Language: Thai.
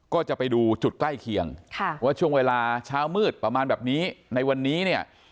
ก็จะไปดูจุดใกล้เคียงว่าช่วงเวลาเช้ามืดประมาณแบบนี้ในวันนี้เนี่ย